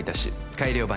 改良版